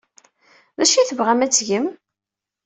D acu ay tebɣam ad t-tgem?